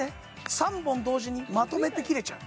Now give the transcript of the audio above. ３本同時にまとめて切れちゃう